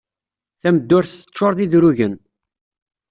Tameddurt teččuṛ d idrugen.